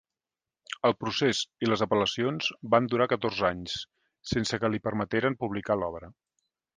El procés i les apel·lacions van durar catorze anys, sense que li permeteren publicar l'obra.